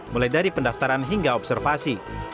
mulai dari pendaftaran hingga observasi